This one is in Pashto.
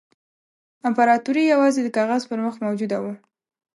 امپراطوري یوازې د کاغذ پر مخ موجوده وه.